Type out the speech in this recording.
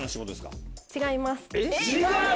違う？